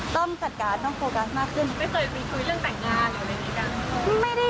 ต้องจัดการต้องโฟกัสมากขึ้น